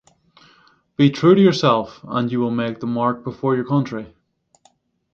Be true to yourself and you will make the mark before your country.